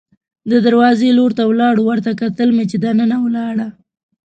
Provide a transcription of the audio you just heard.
د دروازې لور ته ولاړو، ورته کتل مې چې دننه ولاړه.